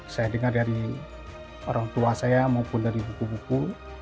saya dengar dari orang tua saya maupun dari buku buku